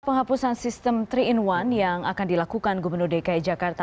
penghapusan sistem tiga in satu yang akan dilakukan gubernur dki jakarta